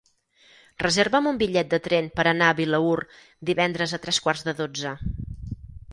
Reserva'm un bitllet de tren per anar a Vilaür divendres a tres quarts de dotze.